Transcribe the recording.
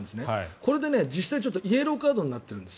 これで実際、イエローカードになってるんです。